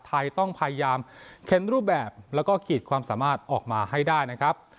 ไทยต้องพยายามเค้นรูปแบบแล้วก็ขีดความสามารถออกมาให้ได้นะครับ